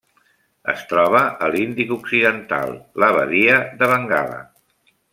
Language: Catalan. Es troba a l'Índic occidental: la badia de Bengala.